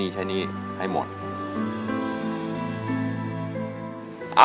น้องตาชอบให้แม่ร้องเพลง๒๐